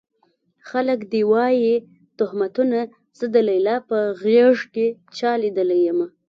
خلک دې وايي تُهمتونه زه د ليلا په غېږ کې چا ليدلی يمه